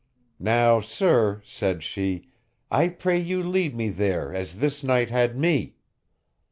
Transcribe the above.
Now sir, said she, I pray you lead me there as this knight had me.